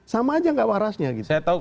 sama aja nggak warasnya gitu